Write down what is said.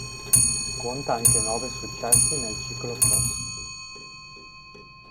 Conta anche nove successi nel ciclocross.